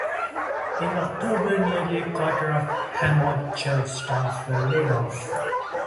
In October, nearly a quarter of the Hammond church staff were laid off.